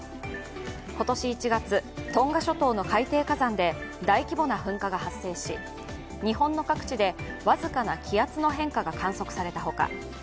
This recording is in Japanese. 今年１月、トンガ諸島の海底火山で大規模な噴火が発生し、日本の各地で僅かな気圧の変化が観測されたほか